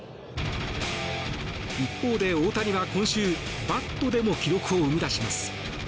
一方で大谷は今週バットでも記録を生み出します。